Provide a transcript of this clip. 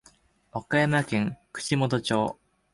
和歌山県串本町